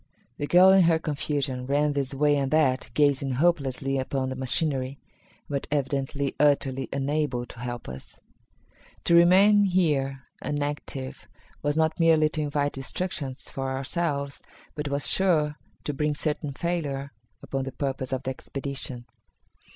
The girl in her confusion ran this way and that, gazing hopelessly upon the machinery, but evidently utterly unable to help us. To remain here inactive was not merely to invite destruction for ourselves, but was sure to bring certain failure upon the purpose of the expedition.